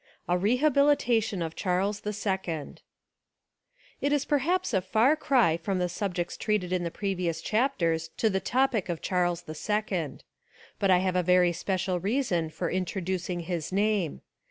— A Rehabilitation of Charles II IT Is perhaps a far cry from the subjects treated in the previous chapters to the topic of Charles the Second. But I have a special reason for Introducing his name.